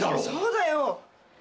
そうだよ！